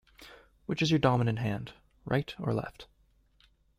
Which is your dominant hand, right or left?